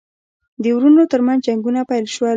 د وروڼو ترمنځ جنګونه پیل شول.